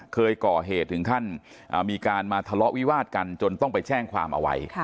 เคยก่อเหตุถึงขั้นมีการมาทะเลาะวิวาดกันจนต้องไปแจ้งความเอาไว้